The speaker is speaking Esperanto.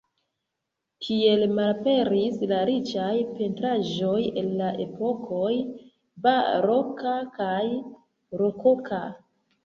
Tiel malaperis la riĉaj pentraĵoj el la epokoj baroka kaj rokoka.